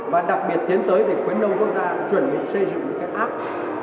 và đặc biệt tiến tới thì khuyến nông quốc gia chuẩn bị xây dựng những cái app